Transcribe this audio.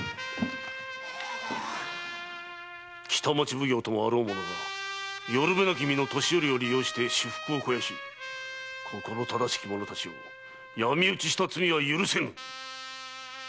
北町奉行ともあろう者が寄る辺なき身の年寄りを利用して私腹を肥やし心正しき者たちを闇討ちした罪は許せぬ！